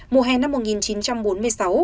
mùa hè năm một nghìn chín trăm bốn mươi sáu